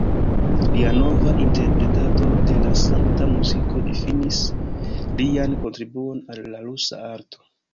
Lia nova interpretado de la sankta muziko difinis lian kontribuon al la rusa arto.